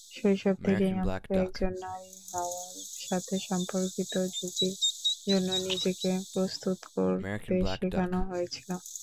শৈশব থেকেই আমাকে একজন নারী হওয়ার সাথে সম্পর্কিত ঝুঁকির জন্য নিজেকে প্রস্তুত করতে শেখানো হয়েছিল।